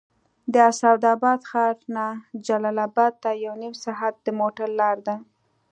د اسداباد ښار نه جلال اباد ته یو نیم ساعت د موټر لاره ده